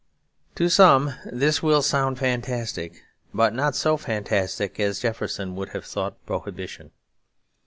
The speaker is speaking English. To some this will sound fantastic; but not so fantastic as Jefferson would have thought Prohibition.